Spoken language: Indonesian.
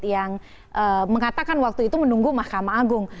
yang mengatakan waktu itu menunggu mahkamah agung